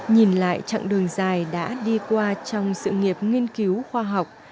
nhìn lại chặng đường dài đã đi qua trong sự nghiệp nghiên cứu khoa học